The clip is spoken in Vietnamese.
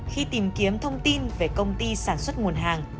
khi tìm kiếm thông tin về công ty sản xuất nguồn hàng